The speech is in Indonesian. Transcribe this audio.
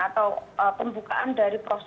atau pembukaan dari prosesnya